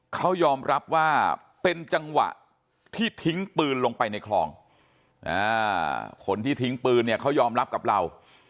เขายอมรับว่าเป็นจังหวะที่ทิ้งปืนลงไปในคลองคนที่ทิ้งปืนเนี่ยเขายอมรับกับเรา